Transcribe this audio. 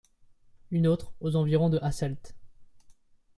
Une autre aux environs de Hasselt.